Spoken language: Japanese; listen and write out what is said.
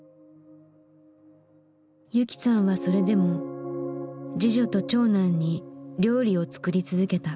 雪さんはそれでも次女と長男に料理を作り続けた。